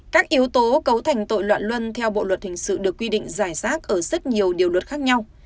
các yếu tố cấu thành tội loạn luân theo bộ luật hình sự được quy định giải rác ở rất nhiều điều luật khác nhau